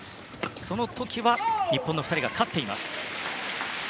その時は、日本の２人が勝っています。